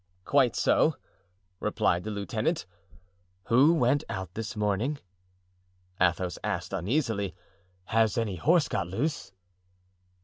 "Quite so," replied the lieutenant. "Who went out this morning?" Athos asked, uneasily. "Has any horse got loose?"